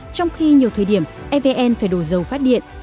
trong khi nhiều thời điểm evn phải đổ dầu phát điện